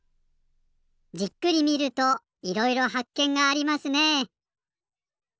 じっくり見るといろいろはっけんがありますね。